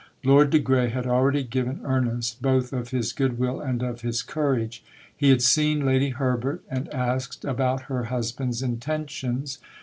Lord de Grey had already given earnest both of his good will and of his courage. He had seen Lady Herbert and asked about her husband's intentions.